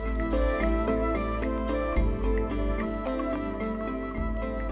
pembangunan di pembangunan pembangunan